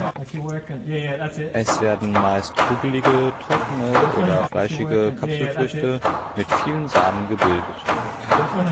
Es werden meist kugelige, trockene oder fleischige Kapselfrüchte mit vielen Samen gebildet.